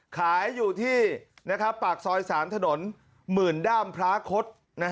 ขายอยู่ที่ปากซอย๓ถนนหมื่นด้ามพระคต